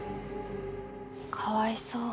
かわいそう。